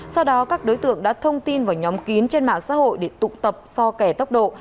sau đó các đối tượng đã thông tin vào nhóm kín trên mạng xã hội để tụ tập so kẻ tốc độ